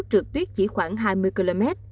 trượt tuyết chỉ khoảng hai mươi km